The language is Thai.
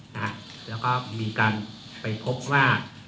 แล้วก็มีการไปพบว่า